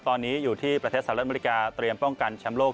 ตอนนี้อยู่ที่ประเทศสหรัฐอเมริกาเตรียมป้องกันแชมป์โลก